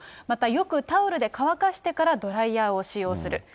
また、よくタオルで乾かしてからドライヤーを使用する。